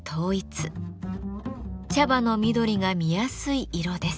茶葉の緑が見やすい色です。